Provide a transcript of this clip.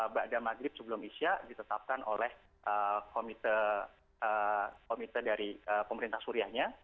ibadah maghrib sebelum isya ditetapkan oleh komite dari pemerintah suriahnya